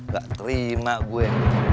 gak terima gue